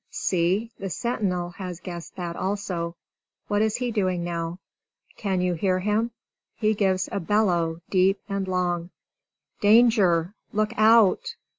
See, the sentinel has guessed that also! What is he doing now? Can you hear him? He gives a bellow, deep and long. "Danger! Look out!"